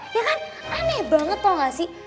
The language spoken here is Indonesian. ya kan aneh banget tuh gak sih